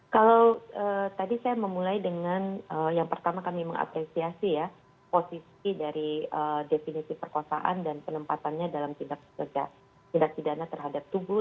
kalau tadi saya memulai dengan yang pertama kami mengapresiasi ya posisi dari definisi perkosaan dan penempatannya dalam tindak pidana terhadap tubuh